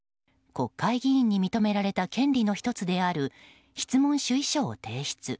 国会議員に認められた権利の１つである質問主意書を提出。